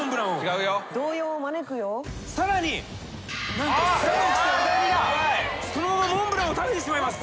何と佐藤棋聖はそのままモンブランを食べてしまいます。